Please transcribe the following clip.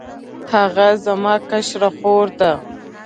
هغه زما کشره خور ده